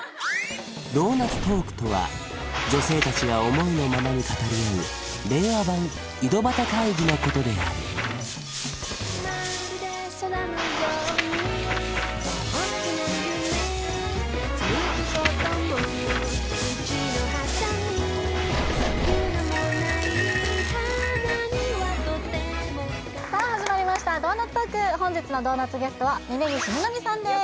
ドーナツトークとは女性達が思いのままに語り合う令和版井戸端会議のことであるさあ始まりました「ドーナツトーク」本日のドーナツゲストは峯岸みなみさんです